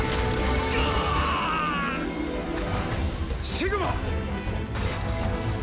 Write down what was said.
シグマ！